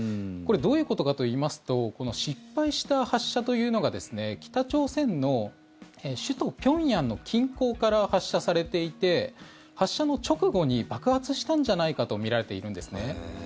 これどういうことかといいますと失敗した発射というのが北朝鮮の首都・平壌の近郊から発射されていて発射の直後に爆発したんじゃないかとみられているんです。